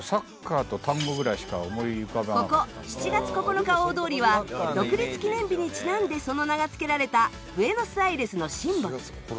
ここ７月９日大通りは独立記念日にちなんでその名が付けられたブエノス・アイレスのシンボル。